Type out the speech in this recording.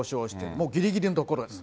もうぎりぎりのところです。